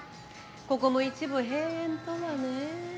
ここも一部閉園とはね。